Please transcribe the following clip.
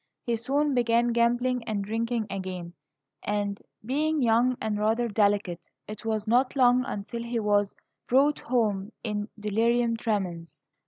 He soon began gambling and drinking again; and, being young and rather delicate, it was not long until he was brought home in delirium tremens.